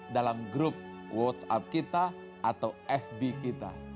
dalam grup whatsapp kita atau fb kita